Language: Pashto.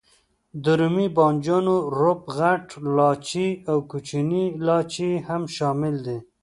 د رومي بانجانو روب، غټ لاچي او کوچنی لاچي هم شامل دي.